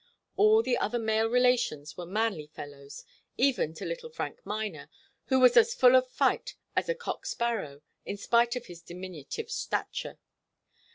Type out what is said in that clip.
All the other male relations were manly fellows, even to little Frank Miner, who was as full of fight as a cock sparrow, in spite of his diminutive stature.